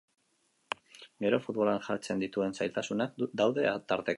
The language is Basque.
Gero, futbolak jartzen dituen zailtasunak daude tarteko.